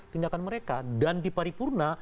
tindakan mereka dan di paripurna